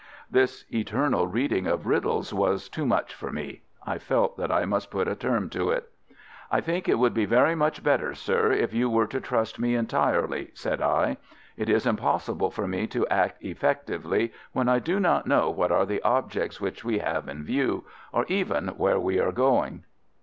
This eternal reading of riddles was too much for me. I felt that I must put a term to it. "I think it would be very much better, sir, if you were to trust me entirely," said I. "It is impossible for me to act effectively, when I do not know what are the objects which we have in view, or even where we are going."